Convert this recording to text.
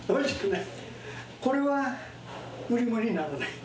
これは売り物にならない。